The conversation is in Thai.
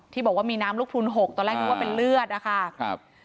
บอกว่ามีน้ำลูกพลูนหกตอนแรกนึกว่าเป็นเลือดนะคะครับ